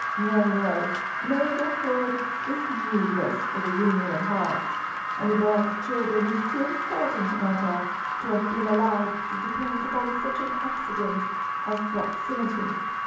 No, no; neighbourhood is needless for the union of hearts; and the birth of children is too important a matter to have been allowed to depend upon such an accident as proximity.